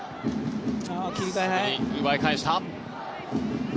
奪い返した。